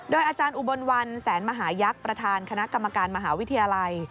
อาจารย์อุบลวันแสนมหายักษ์ประธานคณะกรรมการมหาวิทยาลัย